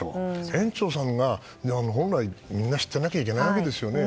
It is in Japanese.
園長さんが、本来みんな知ってなきゃいけないわけですよね。